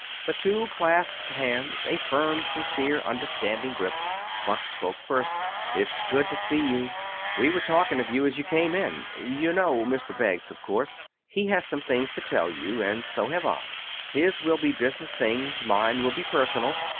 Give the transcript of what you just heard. The two clasped hands a firm, sincere, understanding grip. Buck spoke first. "It's good to see you. We were talking of you as you came in. You know Mr. Beggs, of course. He has some things to tell you and so have I. His will be business things, mine will be personal.